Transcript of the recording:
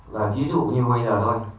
ví dụ như bây giờ thôi